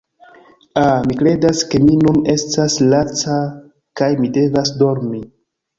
Ah, mi kredas ke mi nun estas laca kaj mi devas dormi